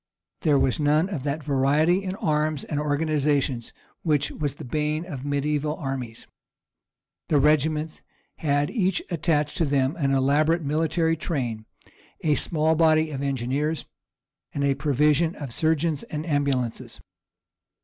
There was none of that variety in arms and organizations which was the bane of mediæval armies. The regiments had each attached to them an elaborate military train, a small body of engineers, and a provision of surgeons and ambulances.